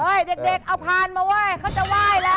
เด็กเอาพานมาไหว้เขาจะไหว้แล้ว